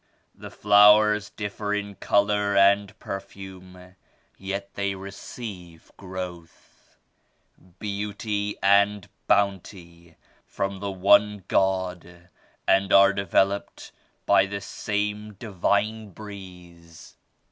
The flowers differ in color and perfume yet they receive growth, beauty and bounty from the one God and are developed by the same Divine Breeze.